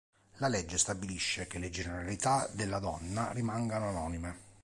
La legge stabilisce che le generalità della donna rimangano anonime.